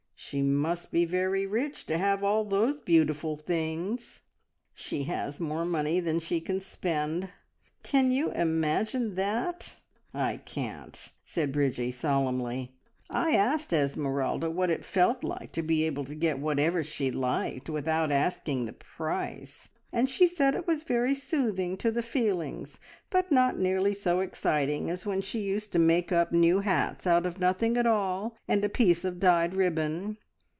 She must be very rich to have all those beautiful things." "She has more money than she can spend. Can you imagine that? I can't!" said Bridgie solemnly. "I asked Esmeralda what it felt like to be able to get whatever she liked without asking the price, and she said it was very soothing to the feelings, but not nearly so exciting as when she used to make up new hats out of nothing at all and a piece of dyed ribbon.